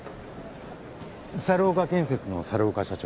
猿岡建設の猿岡社長。